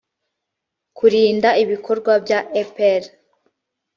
kurinda ibikorwa bya epr